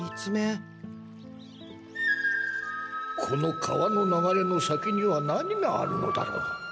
この川の流れの先には何があるのだろう？